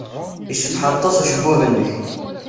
Yecbeḥ aṭas ucebbub-nnek.